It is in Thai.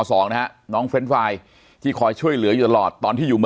สวัสดีครับทุกผู้ชม